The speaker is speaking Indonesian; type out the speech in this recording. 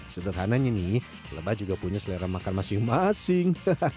sederhananya nih lebah juga punya selera makan masing masing